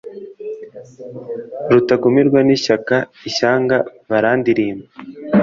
Rutagumirwa n’ishyaka ishyanga barandilimba